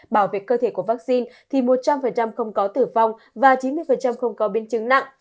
bảo vệ cơ thể của vaccine thì một trăm linh không có tử vong và chín mươi không có biến chứng nặng